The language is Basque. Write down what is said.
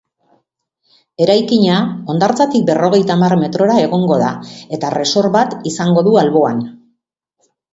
Eraikina hondartzatik berrogeita hamar metrora egongo da eta resort bat izango du alboan.